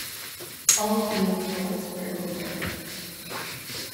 All field sports were over.